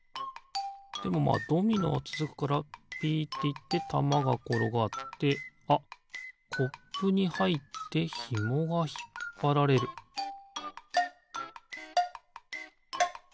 でもまあドミノはつづくからピッていってたまがころがってあっコップにはいってひもがひっぱられるピッ！